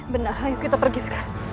benar ayo kita pergi sekarang